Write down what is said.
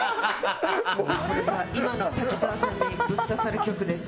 これは今の滝沢さんにブッ刺さる曲です。